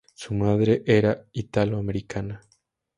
Su madre era ítalo americana.